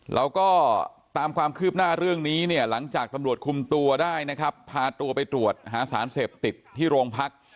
เราก็ตามความคืบหน้าเรื่องนี้เนี่ยหลังจากตำรวจคุมตัวได้นะครับพาตัวไปตรวจหาสารเสพติดที่โรงพัก